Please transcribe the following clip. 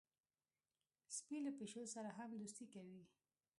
سپي له پیشو سره هم دوستي کوي.